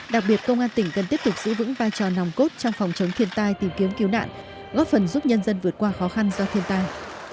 đặc biệt công an tỉnh cần tiếp tục giữ vững vai trò nòng cốt trong phòng chống thiên tai tìm kiếm cứu nạn góp phần giúp nhân dân vượt qua khó khăn do thiên tai